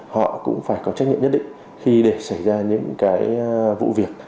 họ cũng phải có trách nhiệm nhất định khi để xảy ra những cái vụ việc